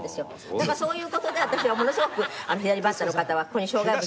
だからそういう事で私はものすごく左バッターの方はここに。